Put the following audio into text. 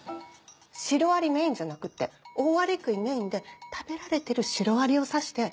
シロアリメインじゃなくってオオアリクイメインで食べられてるシロアリを指して。